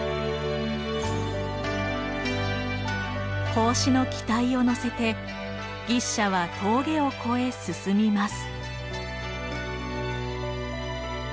孔子の期待を乗せて牛車は峠を越え進みます。